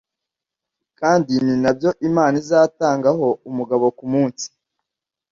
Kandi ni na byo Imana izatanga ho umugabo ku munsi